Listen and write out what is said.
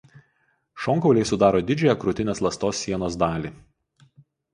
Šonkauliai sudaro didžiąją krūtinės ląstos sienos dalį.